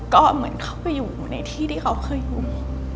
ก็เหมือนเข้าไปอยู่ในที่ที่เขาเคยอยู่